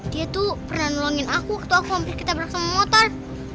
dia tuh pernah nolongin aku waktu aku mampir kita berangkat sama motor